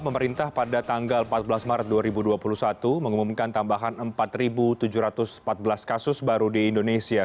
pemerintah pada tanggal empat belas maret dua ribu dua puluh satu mengumumkan tambahan empat tujuh ratus empat belas kasus baru di indonesia